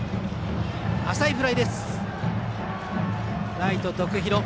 ライト、徳弘。